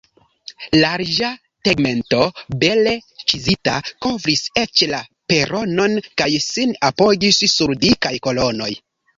Larĝa tegmento, bele ĉizita, kovris eĉ la peronon kaj sin apogis sur dikaj kolonoj.